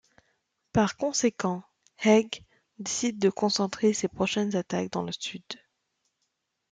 Par conséquent Haig décide de concentrer ses prochaines attaques dans le sud.